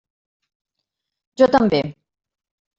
Jo també.